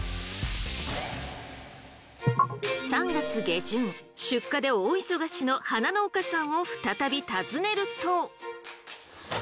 ３月下旬出荷で大忙しの花農家さんを再び訪ねると。